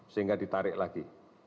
sehingga ditarik lagi